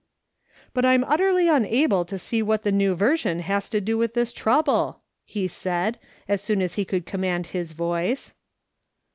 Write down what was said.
"But I'm utterly unable to see what the New Version has to do with this trouble," he said, as soon as he could command his voice.